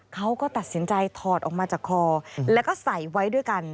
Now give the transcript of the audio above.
เขาก็ตัดสินใจถอดออกมาจากคอแล้วก็ใส่ไว้ด้วยกัน